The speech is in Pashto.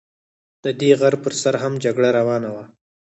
د دې غر پر سر هم جګړه روانه وه.